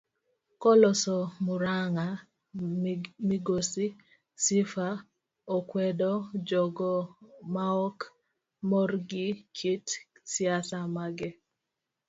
Koloso muranga migosi Sifa okwedo jogo maok mor gi kit siasa mage.